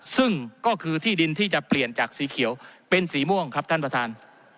ซึ่งก็คือที่ดินที่จะเปลี่ยนจากสีเขียวเป็นสีม่วงครับท่านประธาน